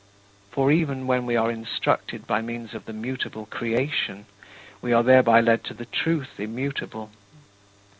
For even when we are instructed by means of the mutable creation, we are thereby led to the Truth immutable.